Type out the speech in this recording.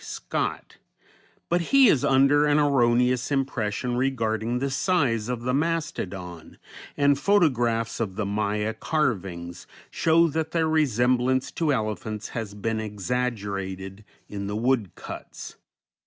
B. Scott, but he is under an erroneous impression regarding the size of the mastodon, and photographs of the Maya carvings show that their resemblance to elephants has been exaggerated in the wood cuts.